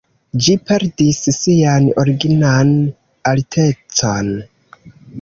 Ĝi perdis sian originan altecon.